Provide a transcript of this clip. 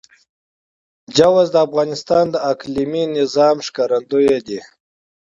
چار مغز د افغانستان د اقلیمي نظام ښکارندوی ده.